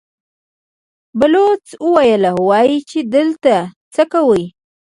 بلوڅ وويل: وايي چې دلته څه کوئ؟